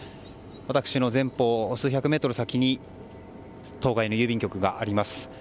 私の前方、数百メートル先に当該の郵便局があります。